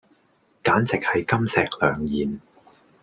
簡直係金石良言